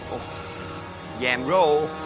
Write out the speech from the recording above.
โอ้แยมโร่